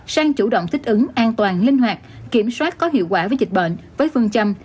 sang chủ động thích ứng an toàn linh hoạt kiểm soát có hiệu quả với dịch bệnh với phương châm